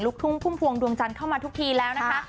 ทุ่งพุ่มพวงดวงจันทร์เข้ามาทุกทีแล้วนะคะ